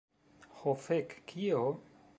Ho fek. Kio?